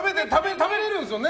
食べれるんですよね？